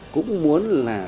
cũng muốn là